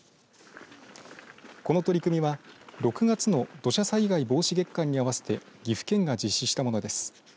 この取り組みは６月の土砂災害防止月間に合わせて岐阜県が実施したものです。